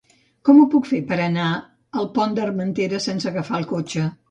Com ho puc fer per anar al Pont d'Armentera sense agafar el cotxe?